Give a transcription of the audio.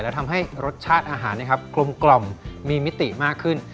และทำให้รสชาติอาหารกลมมีมิติมากขึ้น